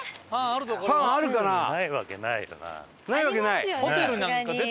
ないわけないよな。